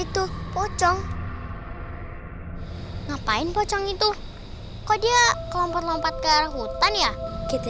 itu pocong ngapain pocong itu kok dia kelompok kelompok ke arah hutan ya kita